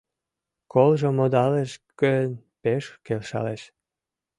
Колжо модалеш гын, пеш келшалеш.